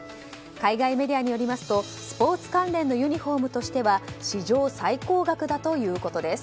海外メディアによりますとスポーツ関連のユニホームとしては史上最高額だということです。